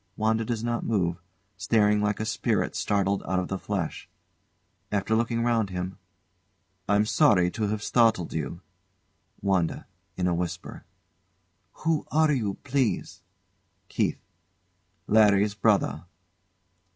WANDA does not move, staring like a spirit startled out of the flesh. [After looking round him] I'm sorry to have startled you. WANDA. [In a whisper] Who are you, please? KEITH. Larry's brother.